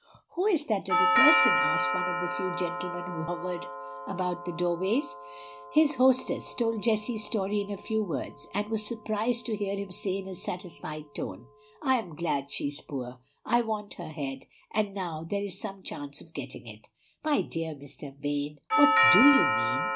"Who is that little person?" asked one of the few gentlemen who hovered about the doorways. His hostess told Jessie's story in a few words, and was surprised to hear him say in a satisfied tone, "I'm glad she is poor. I want her head, and now there is some chance of getting it." "My dear Mr. Vane, what DO you mean?"